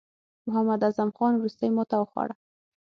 محمد اعظم خان وروستۍ ماته وخوړه.